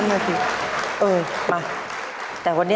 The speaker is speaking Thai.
อย่ามาไหวที่